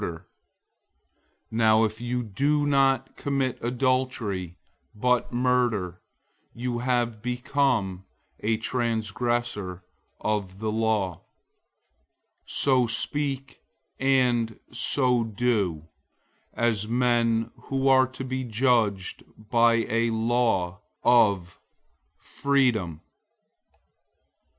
"{Exodus 10:13; Deuteronomy 5:17} Now if you do not commit adultery, but murder, you have become a transgressor of the law. 002:012 So speak, and so do, as men who are to be judged by a law of freedom.